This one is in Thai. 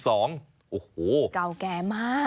โอ้โหเก่าแก่มาก